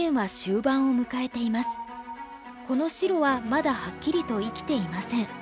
この白はまだはっきりと生きていません。